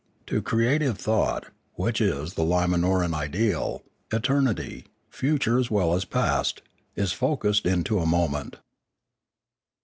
To creative thought, which is the Limanoran ideal, eternity, future as well as past, is focussed into a moment.